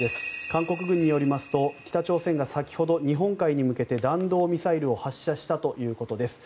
韓国軍によりますと北朝鮮が先ほど日本海に向けて弾道ミサイルを発射したということです。